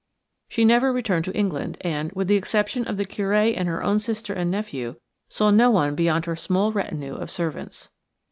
She never returned to England, and, with the exception of the Curé and her own sister and nephew, saw no one beyond her small retinue of servants.